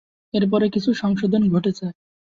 এরপরে কিছু সংশোধন ঘটেছে।